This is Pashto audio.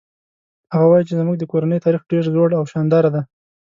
هغه وایي چې زموږ د کورنۍ تاریخ ډېر زوړ او شانداره ده